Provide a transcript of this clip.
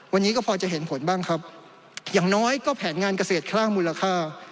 วันนี้ก็พอจะเห็นผลบ้างครับอย่างน้อยก็แผนงานเกษตรคล่างมูลค่า